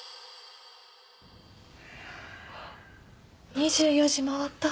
２４時回った！